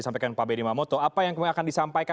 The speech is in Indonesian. disampaikan pak bedi mamoto apa yang akan disampaikan